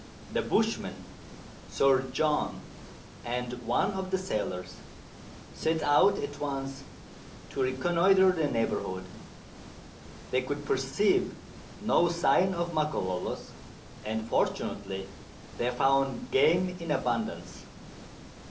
The bushman, Sir John, and one of the sailors set out at once to reconnoitre the neighbourhood. They could perceive no sign of Makololos, and fortunately they found game in abundance.